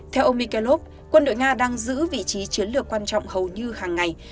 theo ông mikelp quân đội nga đang giữ vị trí chiến lược quan trọng hầu như hàng ngày